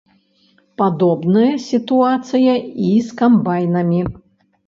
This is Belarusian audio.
Падобная сітуацыя і з камбайнамі.